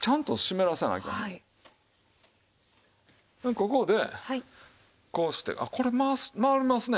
ここでこうしてあっこれ回りますね。